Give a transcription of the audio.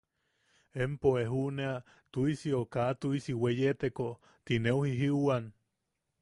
“Empo e juʼunea tuʼisi o kaa tuʼisi weyeteko”. Tineu jijiuwan.